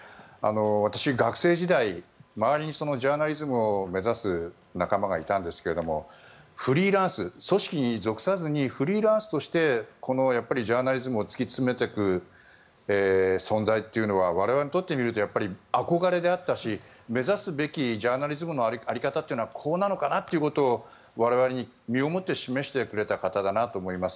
私、学生時代周りにジャーナリズムを目指す仲間がいたんですけどフリーランス、組織に属さずにフリーランスとしてこのジャーナリズムを突き詰めていく存在というのは我々にとってみると憧れであったし目指すべきジャーナリズムの在り方というのはこうなのかなということを我々に身をもって示してくれた方だと思います。